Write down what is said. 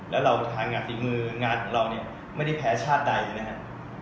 และทางงานธีมืิงานของเรามึงาเนี่ยไม่ได้แพ้ชาติใดเลยนะครับ